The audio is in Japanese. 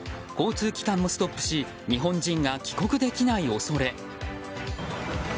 交通機関もストップし日本人が帰国できない恐れ。